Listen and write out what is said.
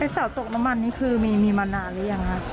สาวตกน้ำมันนี่คือมีมานานหรือยังฮะ